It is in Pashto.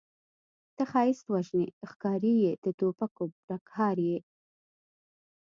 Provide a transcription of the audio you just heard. ته ښایست وژنې ښکارې یې د توپکو ټکهار یې